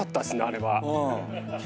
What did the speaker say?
あれは。